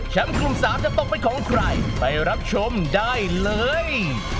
กลุ่ม๓จะตกเป็นของใครไปรับชมได้เลย